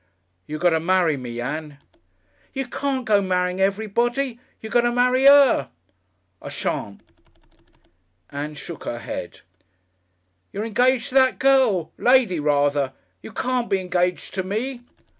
You got to marry me, Ann." "You can't go marrying everybody. You got to marry 'er." "I shan't." Ann shook her head. "You're engaged to that girl. Lady, rather. You can't be engaged to me."